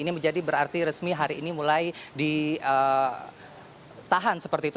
ini menjadi berarti resmi hari ini mulai ditahan seperti itu